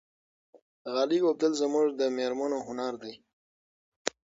غالۍ اوبدل زموږ د مېرمنو هنر دی.